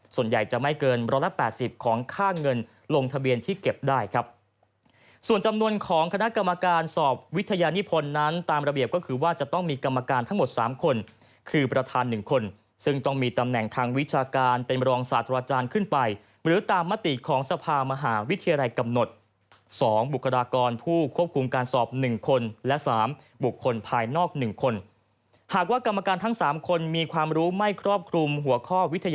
ส่วนใหญ่จะไม่เกินร้อนละ๘๐ของค่าเงินลงทะเบียนที่เก็บได้ครับส่วนจำนวนของคณะกรรมการสอบวิทยานิพลนั้นตามระเบียบก็คือว่าจะต้องมีกรรมการทั้งหมด๓คนคือบริธาน๑คนซึ่งต้องมีตำแหน่งทางวิชาการเป็นบรวงศาสตราจารย์ขึ้นไปหรือตามมติของสภาวิทยาลัยกำหนด๒บุคลากรผู้ควบคุมก